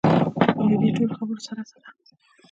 خو له دې ټولو خبرو سره سره.